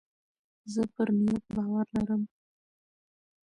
زه پر نیت باور لرم.